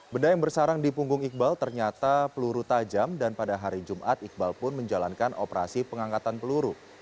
benda yang bersarang di punggung iqbal ternyata peluru tajam dan pada hari jumat iqbal pun menjalankan operasi pengangkatan peluru